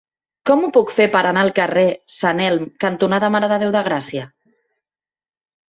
Com ho puc fer per anar al carrer Sant Elm cantonada Mare de Déu de Gràcia?